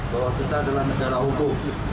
bahwa kita adalah negara hukum